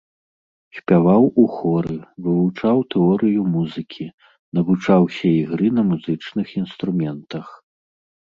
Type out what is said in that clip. Спяваў у хоры, вывучаў тэорыю музыкі, навучаўся ігры на музычных інструментах.